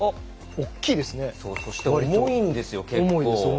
重いんですよ、結構。